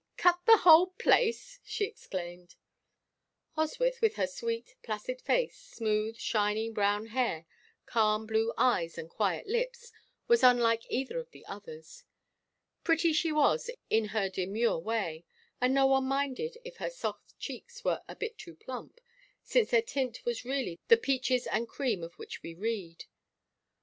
Cut the whole place!" she exclaimed. Oswyth, with her sweet, placid face, smooth, shining brown hair, calm blue eyes and quiet lips, was unlike either of the others. Pretty she was in her demure way, and no one minded if her soft cheeks were a bit too plump, since their tint was really the "peaches and cream" of which we read.